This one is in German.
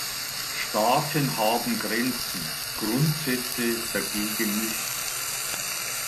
Staaten haben Grenzen, Grundsätze dagegen nicht.